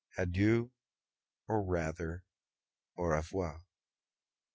"Adieu; or rather, au revoir."